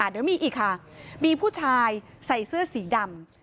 เดี๋ยวมีอีกค่ะมีผู้ชายใส่เสื้อสีดำ